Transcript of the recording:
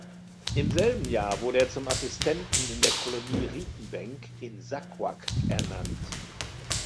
Im selben Jahr wurde er zum Assistenten in der Kolonie Ritenbenk in Saqqaq ernannt.